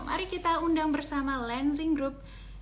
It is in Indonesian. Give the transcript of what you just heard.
mari kita undang bersama lansing group